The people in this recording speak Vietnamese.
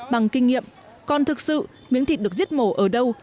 bằng kinh nghiệm còn thực sự miếng thịt được giết mổ ở đâu